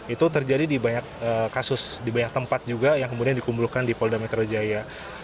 itu terjadi di banyak kasus di banyak tempat juga yang kemudian dikumpulkan di polda metro jaya